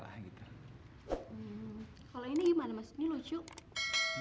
kalau ini gimana mas ini lucu